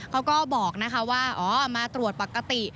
เขาก็บอกนะคะว่าอ๋อมาตรวจปกติ